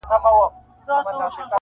كډي كوم وطن ته وړي دا كور خرابي-